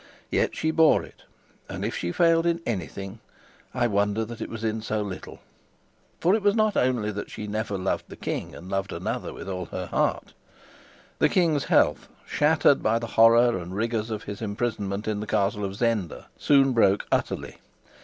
Yet she bore it, and if she failed in anything, I wonder that it was in so little. For it was not only that she had never loved the king and had loved another with all her heart. The king's health, shattered by the horror and rigors of his imprisonment in the castle of Zenda, soon broke utterly.